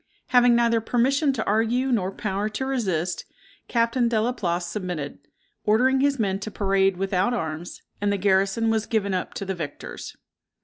Having neither permission to argue, nor power to resist, Captain De la Place submitted, ordering his men to parade without arms, and the garrison was given up to the victors.